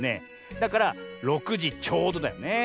だから６じちょうどだよね。